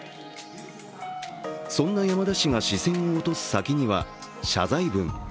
そんな山田氏が視線を落とす先には謝罪文。